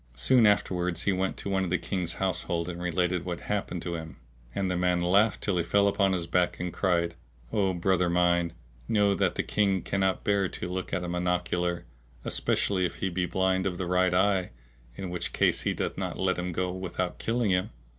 Soon afterwards he went to one of the King's household and related what had happened to him; and the man laughed till he fell upon his back and cried, "O brother mine, know that the King cannot bear to look at a monocular, especially if he be blind of the right eye, in which case he doth not let him go without killing him."